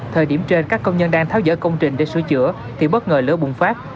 thời điểm trên các công nhân đang tháo dỡ công trình để sửa chữa thì bất ngờ lửa bùng phát